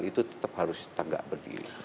itu tetap harus tegak berdiri